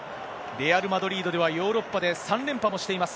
レアル・マドリードではヨーロッパで３連覇もしています。